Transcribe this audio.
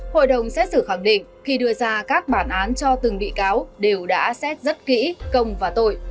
hội đồng xét xử khẳng định khi đưa ra các bản án cho từng bị cáo đều đã xét rất kỹ công và tội